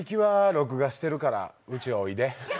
録画しているからうちおいで。